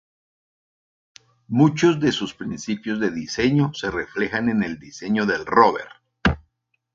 Muchos de sus principios de diseño se reflejan en el diseño del Rover.